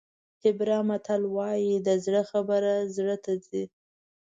هیبرا متل وایي د زړه خبرې زړه ته ځي.